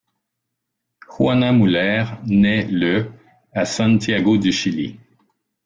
Juana Muller naît le à Santiago du Chili.